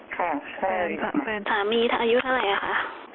ค่ะใช่สามีอายุเท่าไรค่ะ